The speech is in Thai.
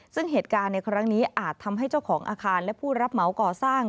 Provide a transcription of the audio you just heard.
ซึ่งเหตุการณ์ในครั้งนี้อาจทำให้เจ้าของอาคารและผู้รับเหมาก่อสร้าง